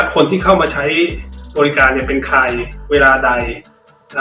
คนที่เข้ามาใช้บริการเป็นใครเวลาไหน